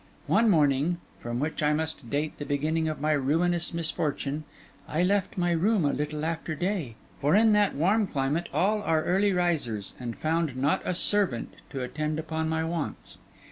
One morning (from which I must date the beginning of my ruinous misfortune) I left my room a little after day, for in that warm climate all are early risers, and found not a servant to attend upon my wants.